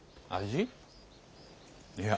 いや